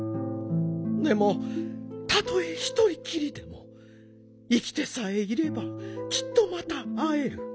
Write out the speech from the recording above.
でもたとえひとりきりでも生きてさえいればきっとまたあえる。